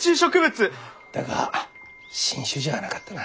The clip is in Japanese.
だが新種じゃなかったな。